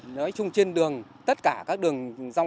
nói chung trên đường tất cả các đường rong